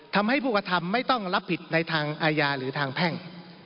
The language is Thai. ทำให้ผู้กระทำไม่ต้องรับผิดในทางอาญาหรือทางแพ่ง